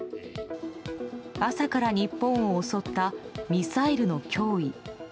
朝から日本を襲ったミサイルの脅威。